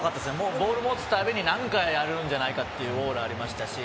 ボールを持つたびに何かやるんじゃないかというオーラがありましたし